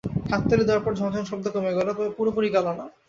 হাততালি দেয়ার পর ঝনঝন শব্দ কমে গেল, তবে পুরোপুরি গেল না।